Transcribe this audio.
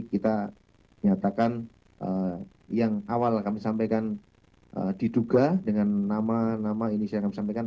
kita nyatakan yang awal kami sampaikan diduga dengan nama nama ini saya akan sampaikan